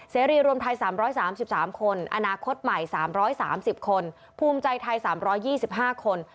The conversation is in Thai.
เสรีรวมไทย๓๓คนอนาคตใหม่๓๓๐คนภูมิใจไทย๓๒๕คน